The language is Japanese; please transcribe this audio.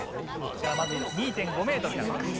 ではまず２．５ｍから。